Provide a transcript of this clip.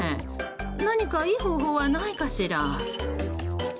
何かいい方法はないかしら。